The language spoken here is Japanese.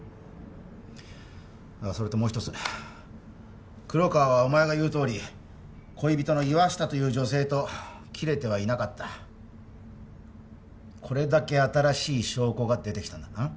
それともう一つ黒川はお前が言うとおり恋人の岩下という女性と切れてはいなかったこれだけ新しい証拠が出てきたんだ